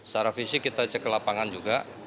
secara fisik kita cek ke lapangan juga